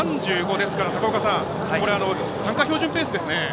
ですから、高岡さん参加標準ペースですね。